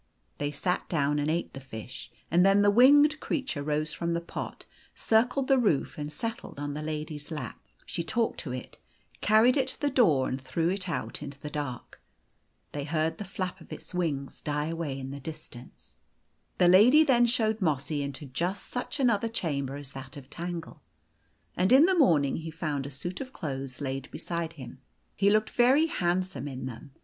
They sat down and ate the fish and then the winged creature rose from the pot, circled the roof, and settled on the lady's lap. She talked to it, carried it to the door, and threw it out into the dark. They heard the flap of its wings die away in the distance. The lady then showed Mossy into just such another chamber as that of Tangle ; and in the morning he found a suit of clothes laid beside him. He looked very handsome in them.